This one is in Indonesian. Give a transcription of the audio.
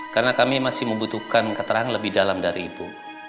karena kami masih membutuhkan keterangan lebih dalam dari ibu